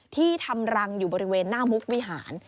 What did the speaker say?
ที่ทำรังอยู่บริเวณหน้ามุกวิหาร